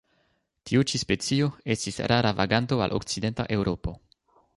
Tiu ĉi specio estis rara vaganto al okcidenta Eŭropo.